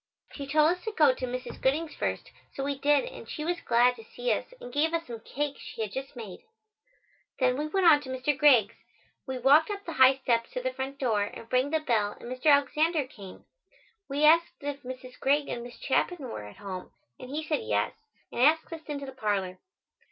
She told us to go to Mrs. Gooding's first, so we did and she was glad to see us and gave us some cake she had just made. Then we went on to Mr. Greig's. We walked up the high steps to the front door and rang the bell and Mr. Alexander came. We asked if Mrs. Greig and Miss Chapin were at home and he said yes, and asked us into the parlor.